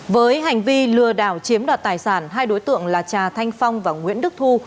với hành vi lừa đảo chiếm đoạt tài sản hai đối tượng là trà thanh phong và nguyễn đức thu